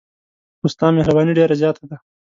خو ستا مهرباني ډېره زیاته ده.